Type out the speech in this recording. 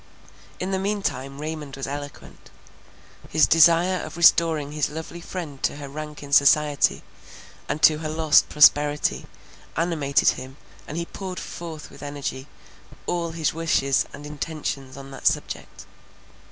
In the mean time Raymond was eloquent. His desire of restoring his lovely friend to her rank in society, and to her lost prosperity, animated him, and he poured forth with energy, all his wishes and intentions on that subject.